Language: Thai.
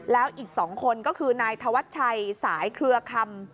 แล้วอีก๒คนก็คือนายธวัชชัยสายเครือคำ